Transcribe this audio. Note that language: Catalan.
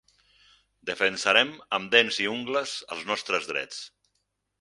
Defensarem amb dents i ungles els nostres drets.